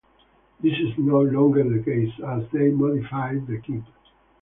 This is no longer the case, as they modified the kit.